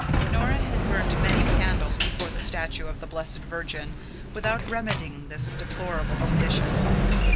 Nora had burnt many candles before the statue of the blessed Virgin without remedying this deplorable condition.